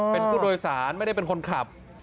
เป็นผู้โดยสารไม่ได้เป็นคนขับ